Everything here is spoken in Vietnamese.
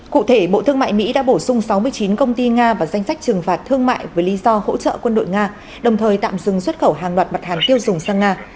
cụ thể bộ thương mại mỹ đã bổ sung sáu mươi chín công ty nga vào danh sách trừng phạt thương mại với lý do hỗ trợ quân đội nga đồng thời tạm dừng xuất khẩu hàng loạt mặt hàng tiêu dùng sang nga